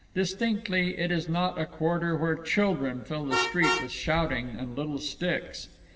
Distinctly, it is not a quarter where children fill the street with shouting and little sticks.